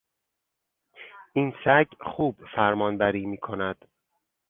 این سگ خوب فرمانبری می کند.